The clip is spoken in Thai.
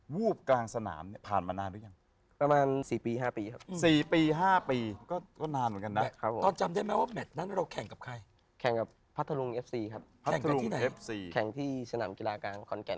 วูบกลางสนามเนี่ยผ่านมานานหรือยัง